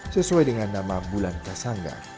sesuai dengan nama bulan kasangga